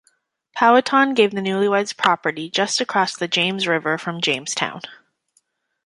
Powhatan gave the newlyweds property just across the James River from Jamestown.